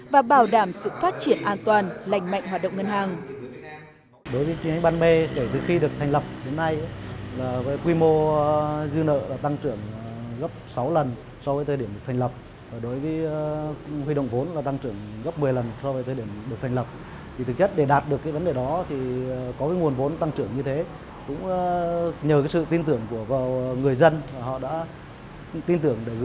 và bảo đảm sự phát triển an toàn lành mạnh hoạt động ngân hàng